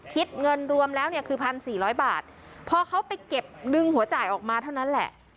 คิดเงินรวมแล้วเนี่ยคือ๑๔๐๐บาทพอเขาไปเก็บดึงหัวจ่ายออกมาเท่านั้นแหละ